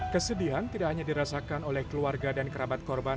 kesedihan tidak hanya dirasakan oleh keluarga dan kerabat korban